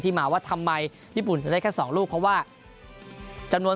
มาว่าทำไมญี่ปุ่นถึงได้แค่๒ลูกเพราะว่าจำนวน